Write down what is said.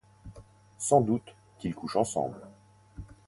Sans doute qu'ils couchent ensemble.